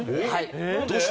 どうして？